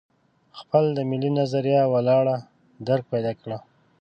خپل د ملي نظریه ولاړ درک پیدا کړو.